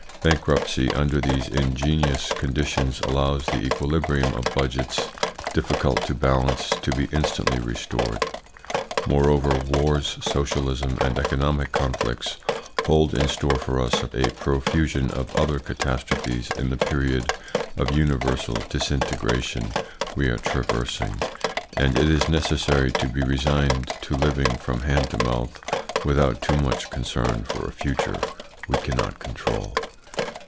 Bankruptcy under these ingenious conditions allows the equilibrium of Budgets difficult to balance to be instantly restored. Moreover, wars, socialism, and economic conflicts hold in store for us a profusion of other catastrophes in the period of universal disintegration we are traversing, and it is necessary to be resigned to living from hand to mouth without too much concern for a future we cannot control.